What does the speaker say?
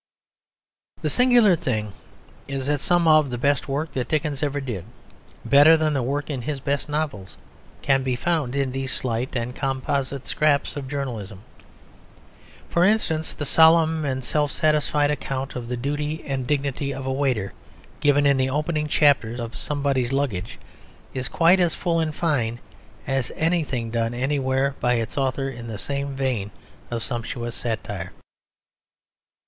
The singular thing is that some of the best work that Dickens ever did, better than the work in his best novels, can be found in these slight and composite scraps of journalism. For instance, the solemn and self satisfied account of the duty and dignity of a waiter given in the opening chapter of Somebody's Luggage is quite as full and fine as anything done anywhere by its author in the same vein of sumptuous satire.